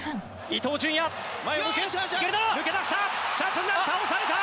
伊東純也、前を向く抜け出した！